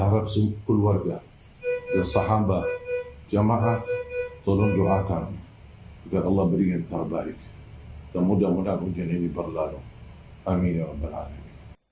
assalamualaikum saya ali jaber mendukung penuh gerakan